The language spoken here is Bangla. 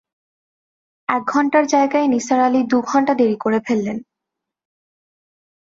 এক ঘন্টার জায়গায় নিসার আলি দু ঘন্টা দেরি করে ফেললেন!